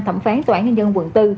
thẩm phán tòa án nhân dân quận bốn